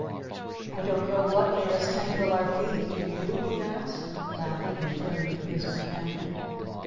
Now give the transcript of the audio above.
"I don't know what made us tangle our feet, do you?" he asked, laughing and turning to his companion.